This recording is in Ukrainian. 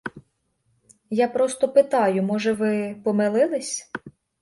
Я просто питаю, може, ви помилились?